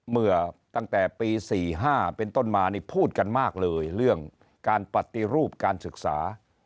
เมื่อตั้งแต่ปี๔๕เป็นต้นมานี่พูดกันมากเลยเรื่องการปฏิรูปการศึกษา